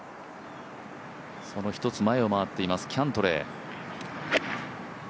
その１つ前を回っています、キャントレー。